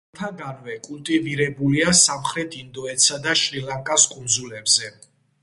ძველთაგანვე კულტივირებულია სამხრეთ ინდოეთსა და შრი-ლანკის კუნძულებზე.